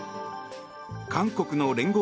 韓国の聯合